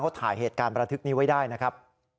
เขาถ่ายเหตุการณ์ประทึกนี้ไว้ได้นะครับ